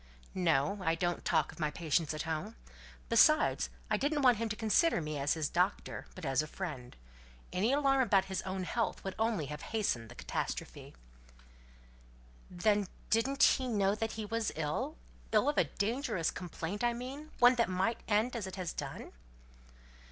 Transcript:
"No. I don't talk of my patients at home. Besides, I didn't want him to consider me as his doctor, but as a friend. Any alarm about his own health would only have hastened the catastrophe." "Then didn't he know that he was ill ill of a dangerous complaint, I mean: one that might end as it has done?"